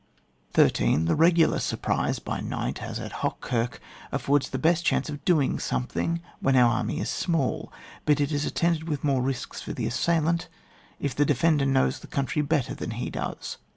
13. The regular surprise (by night, as at Hochkirch), affords the best chance of doing something, when our army is small ; but it is attended with more risks for the assailant, if the defender knows the coimtry better than he does.